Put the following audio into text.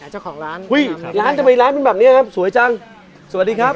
เจ้าของร้านหุ้ยร้านทำไมร้านเป็นแบบเนี้ยครับสวยจังสวัสดีครับสวัสดีครับ